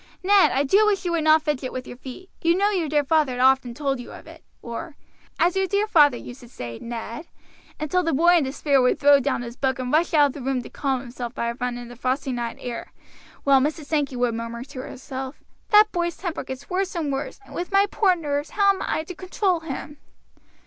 "Ned, I do wish you would not fidget with your feet. You know your dear father often told you of it;" or, "As your dear father used to say, Ned;" until the boy in despair would throw down his book and rush out of the room to calm himself by a run in the frosty night air; while Mrs. Sankey would murmur to herself, "That boy's temper gets worse and worse, and with my poor nerves how am I to control him?"